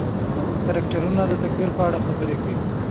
کرکټرونه د تقدیر په اړه خبرې کوي.